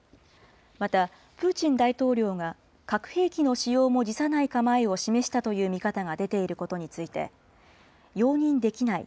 また、プーチン大統領が核兵器の使用も辞さない構えを示したという見方が出ていることについて、容認できない。